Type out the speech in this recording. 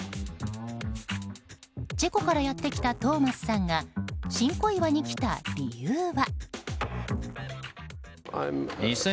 チェコからやって来たトーマスさんが新小岩に来た理由は？